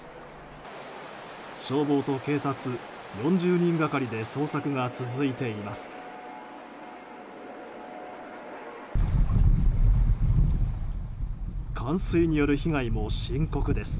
消防と警察４０人がかりで捜索が続いています。